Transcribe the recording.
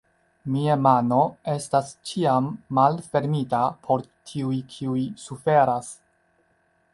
Mia mano estas ĉiam malfermita por tiuj, kiuj suferas!